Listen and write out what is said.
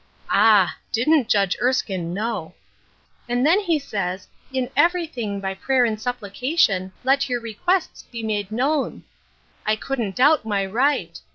Ah ! didfit Judge Erskine know ?" And then He says, ' In everything by prayer and supplication, let your requests bo made known.' I couldn't doubt my right.